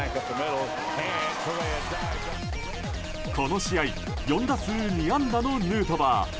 この試合４打数２安打のヌートバー。